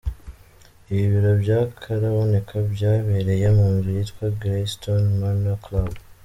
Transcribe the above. Ibi birori by’akataraboneka byabereye mu nzu yitwa Greystone Manor Club.